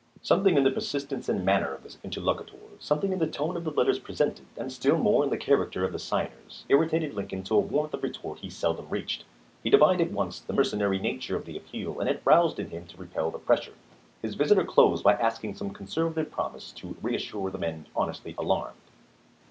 Something in the persistence and manner of his interlocutor, something in the tone of the letters presented, and still more in the character of the signers, irritated Lincoln to a warmth of retort he seldom reached. He divined at once the mercenary nature of the appeal, and it roused him to repel the pressure. His visitor closed by asking some con servative promise "to reassure the men honestly alarmed."